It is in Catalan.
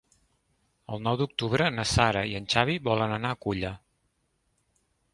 El nou d'octubre na Sara i en Xavi volen anar a Culla.